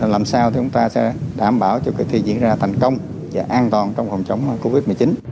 làm sao chúng ta sẽ đảm bảo cho kỳ thi diễn ra thành công và an toàn trong phòng chống covid một mươi chín